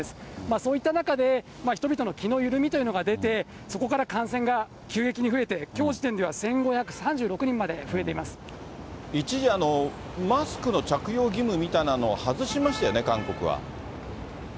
そういった中で人々の気の緩みというのが出て、そこから感染が急激に増えて、きょう時点では１５一時、マスクの着用義務みたいなのを外しましたよね、韓国は。